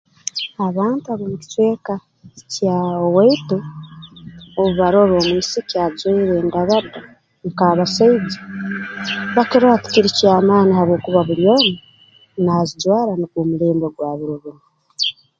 Abantu ab'omu kicweka kya waitu obu barora omwisiki ajwaire endabada nk'abasaija bakirora tikiri ky'amaani habwokuba buli omu naazijwara nugwo omulembe gwa biro binu